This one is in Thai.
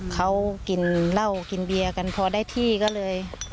เขากินเหล้ากินเบียร์กันพอได้ที่ก็เลย